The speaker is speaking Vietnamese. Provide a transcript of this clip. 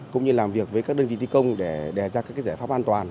cũng như làm việc với các đơn vị thi công để đề ra các giải pháp an toàn